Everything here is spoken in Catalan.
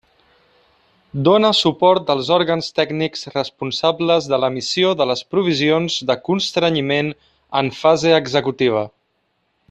Dóna suport als òrgans tècnics responsables de l'emissió de les provisions de constrenyiment en fase executiva.